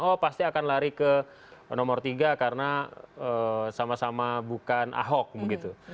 oh pasti akan lari ke nomor tiga karena sama sama bukan ahok begitu